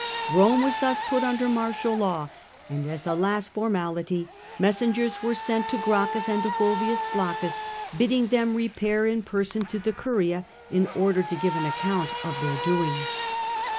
'' Rome was thus put under martial law, and as a last formality messengers were sent to Gracchus and to Fulvius Flaccus, bidding them repair in person to the Curia in order to give an account of their doings.